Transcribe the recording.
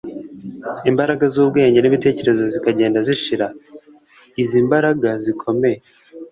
imbaraga z'ubwenge n'ibitekerezo zikagenda zishira. izi mbaraga zikomeye